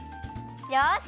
よし！